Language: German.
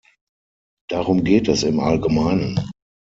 Darum geht es im Allgemeinen.